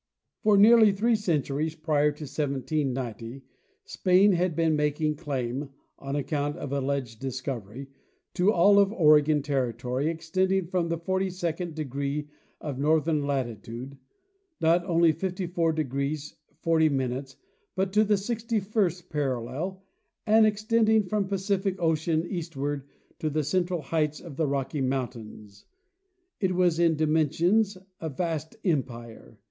For nearly three centuries prior to 1790 Spain had been mak ing claim, on account of alleged discovery, to all of Oregon territory extending from the forty second degree of northern latitude not only to 54° 40' but to the sixty first parallel, and extending from Pacific ocean eastward to the central heights of the Rocky mountains. It was in dimensions a vast empire.